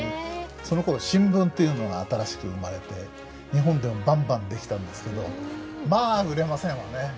そのころ新聞というのが新しく生まれて日本でもバンバンできたんですけどまあ売れませんわね。